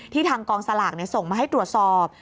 ทางกองสลากส่งมาให้ตรวจสอบ